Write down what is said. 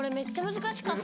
難しかった。